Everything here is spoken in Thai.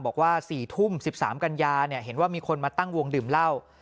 บอกว่า๔ทุ่ม๑๓กันยาเห็นว่ามีคนมาตั้งวงดื่มเหล้า